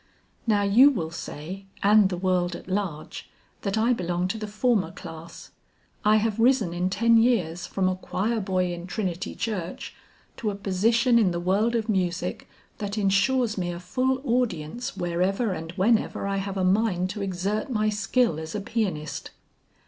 Now you will say, and the world at large, that I belong to the former class. I have risen in ten years from a choir boy in Trinity Church to a position in the world of music that insures me a full audience wherever and whenever I have a mind to exert my skill as a pianist.